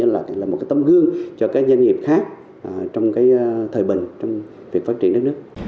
là một tấm gương cho các doanh nghiệp khác trong thời bình trong việc phát triển đất nước